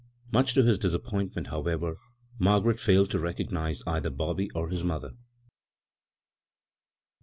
Much to his disappointment, how ever, Margaret ^ied to recognize either Bobby or his mother.